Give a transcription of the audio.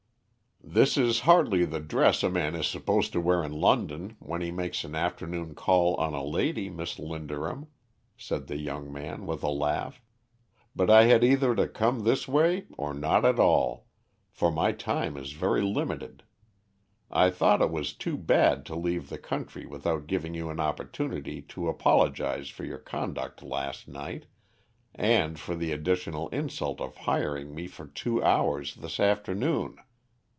"This is hardly the dress a man is supposed to wear in London when he makes an afternoon call on a lady, Miss Linderham," said the young man, with a laugh, "but I had either to come this way or not at all, for my time is very limited. I thought it was too bad to leave the country without giving you an opportunity to apologise for your conduct last night, and for the additional insult of hiring me for two hours this afternoon.